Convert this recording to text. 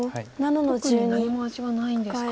特に何も味はないんですか。